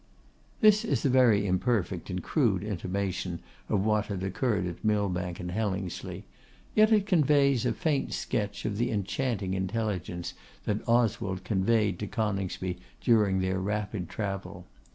This is a very imperfect and crude intimation of what had occurred at Millbank and Hellingsley; yet it conveys a faint sketch of the enchanting intelligence that Oswald conveyed to Coningsby during their rapid travel.